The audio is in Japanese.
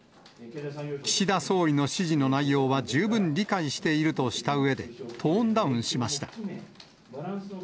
岸田総理の指示の内容は十分理解しているとしたうえで、トーンダウンしました。